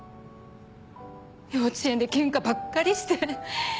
幼稚園で喧嘩ばっかりして。